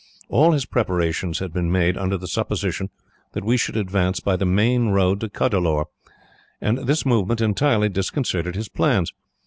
All his preparations had been made under the supposition that we should advance by the main road to Cuddalore, and this movement entirely disconcerted his plans.